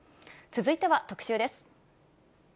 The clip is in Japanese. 続いては特集です。